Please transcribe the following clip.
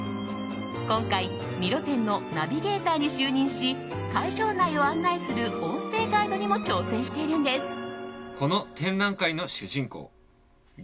今回、「ミロ展」のナビゲーターに就任し会場内を案内する音声ガイドにも挑戦しているんです。